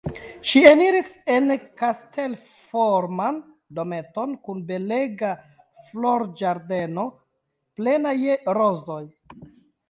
Ŝi eniris en kastelforman dometon kun belega florĝardeno plena je rozoj.